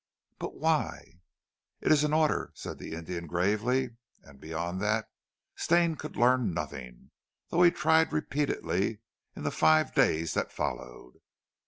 "But why " "It is an order," said the Indian gravely, and beyond that Stane could learn nothing, though he tried repeatedly in the five days that followed.